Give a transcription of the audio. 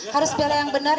harus bela yang benar